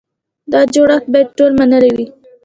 دا جوړښت باید ټول منلی وي.